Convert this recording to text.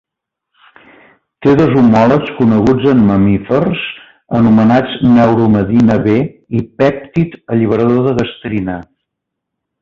Té dos homòlegs coneguts en mamífers anomenats neuromedina B i pèptid alliberador de gastrina.